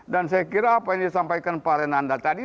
dan saya kira apa yang disampaikan pak renanda tadi